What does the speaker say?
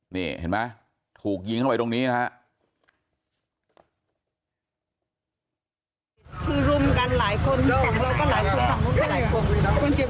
นี่เห็นไหมถูกยิงเข้าไปตรงนี้นะครับ